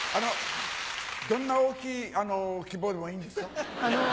どんな大きい希望でもいいんですか？